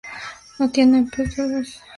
No tienen pseudobulbos.